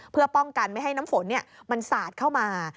เพื่อป้องกันไม่ให้น้ำฝนมันสาดเข้ามา